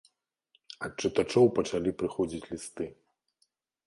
Ад чытачоў пачалі прыходзіць лісты.